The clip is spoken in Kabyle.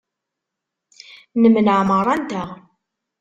Nemneɛ merra-nteɣ.